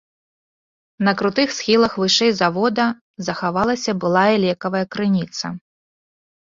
На крутых схілах вышэй завода захавалася былая лекавая крыніца.